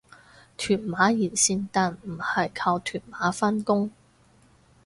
屯馬沿線但唔係靠屯馬返工